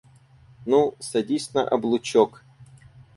Ну, садись на облучок».